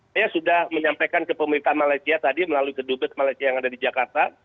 saya sudah menyampaikan ke pemerintah malaysia tadi melalui kedubes malaysia yang ada di jakarta